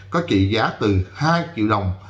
có trị giá từ hai triệu đồng